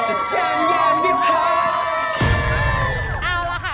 อ๋อเอาละค่ะ